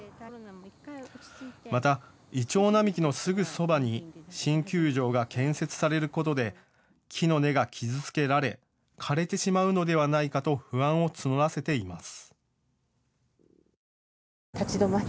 またイチョウ並木のすぐそばに新球場が建設されることで木の根が傷つけられ枯れてしまうのではないかと不安を募らせています。